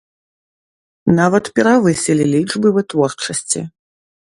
Нават перавысілі лічбы вытворчасці.